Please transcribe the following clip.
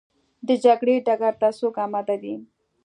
د جګړې ډګر ته څوک اماده دي؟